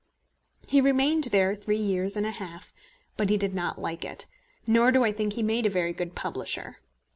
He remained there three years and a half; but he did not like it, nor do I think he made a very good publisher.